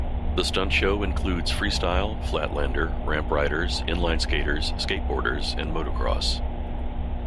The stunt show includes freestyle, flatlander, ramp riders, inline skaters, skateboarders and Motocross.